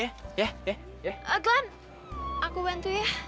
eh adlan aku bantu ya